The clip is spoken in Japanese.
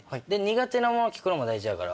苦手なもの聞くのも大事だから。